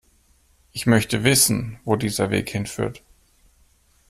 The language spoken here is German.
Ich möchte wissen, wo dieser Weg hinführt.